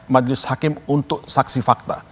majelis hakim untuk saksi fakta